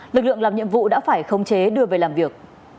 lực lượng làm nhiệm vụ đã phải khống chế đưa về làm việc